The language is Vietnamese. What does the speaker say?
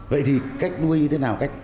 vậy thì cách nuôi như thế nào